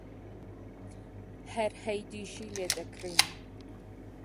هەر هەیدیشی لێ دەکردین: